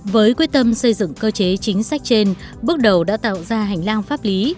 với quyết tâm xây dựng cơ chế chính sách trên bước đầu đã tạo ra hành lang pháp lý